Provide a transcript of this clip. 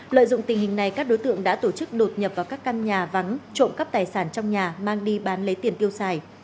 lợi dụng tình hình này các đối tượng đã tổ chức đột nhập vào các căn nhà vắng trộm cắp tài sản trong nhà mang đi bán lấy tiền tiêu xài